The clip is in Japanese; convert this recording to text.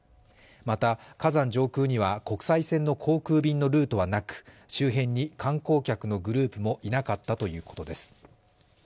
また火山上空には、国際線の航空便のルートはなく、周辺に観光客のグループもいなかったということです。